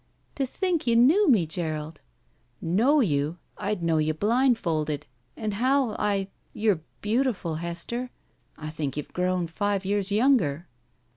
To think you knew me, Gerald!" Know you! I'd know you blindfolded. And how — I — You're beautiful, Hester! I think you've grown five years yoimger."